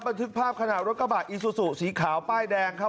บันทึกภาพขณะรถกระบะอีซูซูสีขาวป้ายแดงครับ